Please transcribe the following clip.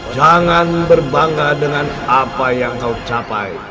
jangan berbangga dengan apa yang kau capai